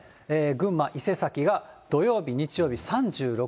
群馬・伊勢崎が土曜日、日曜日３６、７度。